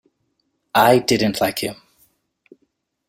I didn't like him.